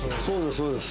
そうです